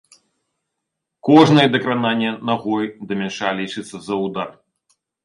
Кожнае дакрананне нагой да мяча лічыцца за ўдар.